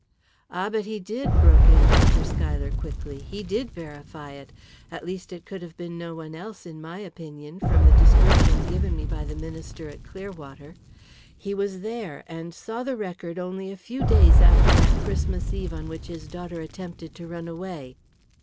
"Ah, but he did," broke in Dr. Schuyler quickly. "He did verify it. At least it could have been no one else in my opinion, from the description given me by the minister at Clearwater. He was there and saw the record only a few days after that Christmas Eve on which his daughter attempted to run away."